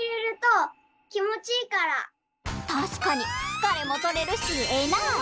たしかにつかれもとれるしええな。